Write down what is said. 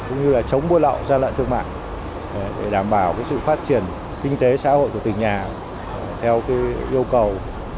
cũng như là chống buôn lậu gian lợi thương mạng để đảm bảo cái sự phát triển kinh tế xã hội của tỉnh nhà theo cái yêu cầu